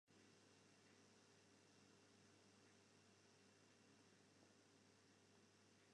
Elkenien seit ek dat ik der safolleste better útsjoch as in wike lyn.